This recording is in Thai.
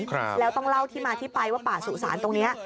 ครับแล้วต้องเล่าที่มาที่ไปว่าป่าสุสานตรงเนี้ย